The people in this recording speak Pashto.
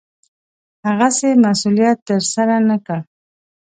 هغسې مسوولت ترسره نه کړ.